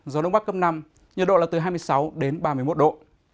gió đông bắc cấp năm nhiệt độ là từ hai mươi sáu đến ba mươi một độ